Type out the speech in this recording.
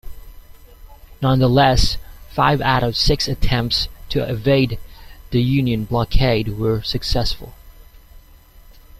Nonetheless, five out of six attempts to evade the Union blockade were successful.